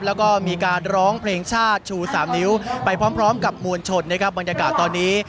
แล้วก็มีการร้องเพลงชาติชูสามนิ้วไปพร้อมกับมวลชนนะครับบรรยากาศตอนนี้